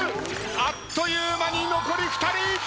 あっという間に残り２人。